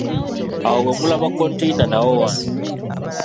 Awo we mulaba kkonteyina nawo wange.